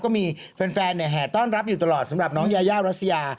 ก็มีแฟนแห่ต้อนรับอยู่ตลอดสำหรับน้องยายารัสยา